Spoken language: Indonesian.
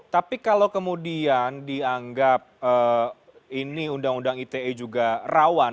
tapi kalau kemudian dianggap ini undang undang ite juga rawan